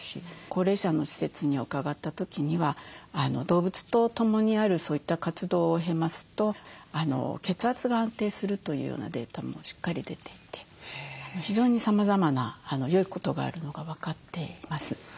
高齢者の施設に伺った時には動物と共にあるそういった活動を経ますと血圧が安定するというようなデータもしっかり出ていて非常にさまざまなよいことがあるのが分かっています。